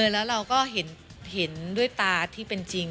แล้วเราก็เห็นด้วยตาที่เป็นจริง